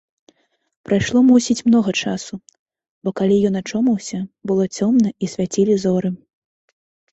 Прайшло, мусіць, многа часу, бо калі ён ачомаўся, было цёмна і свяцілі зоры.